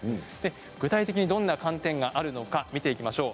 具体的にどんな寒天があるのか見ていきましょう。